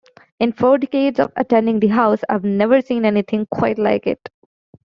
In four decades of attending the House, I've never seen anything quite like it.